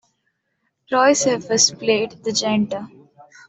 Troy Cephers played the janitor.